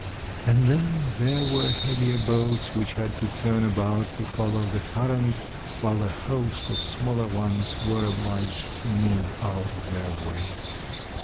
And then there were heavier boats which had to turn about to follow the current, while a host of smaller ones were obliged to move out of their way.